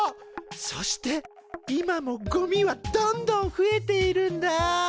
そして今もゴミはどんどん増えているんだ。